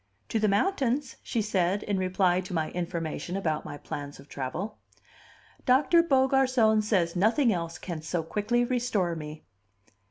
"To the mountains?" she said, in reply to my information about my plans of travel. "Doctor Beaugarcon says nothing else can so quickly restore me."